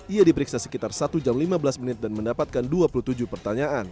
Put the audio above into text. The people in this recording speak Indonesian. ia diperiksa sekitar satu jam lima belas menit dan mendapatkan dua puluh tujuh pertanyaan